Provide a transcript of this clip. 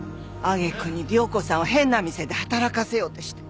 揚げ句に亮子さんを変な店で働かせようとして。